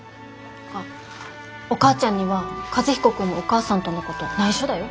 あっお母ちゃんには和彦君のお母さんとのことないしょだよ。